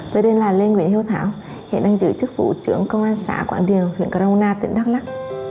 tôi đây là lê nguyễn hiếu thảo hiện đang giữ chức vụ trưởng công an xã quảng điều huyện gromana tỉnh đắk lắk